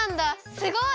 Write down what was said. すごい！